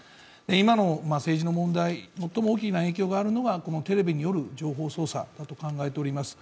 今の政治の問題、最も大きな影響があるのがこのテレビによる情報操作だと考えております